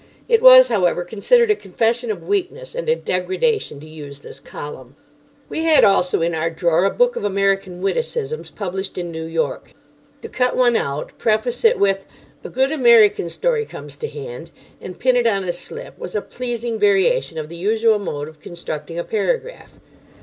It was, however, considered a confession of weakness and a degradation to use this column. We had also in our drawer a book of American witticisms, published in New York. To cut one out, preface it with "A good American story comes to hand," and pin it on a slip was a pleasing variation of the usual mode of constructing a paragraph.